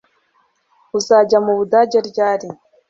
Uzajya mu Budage ryari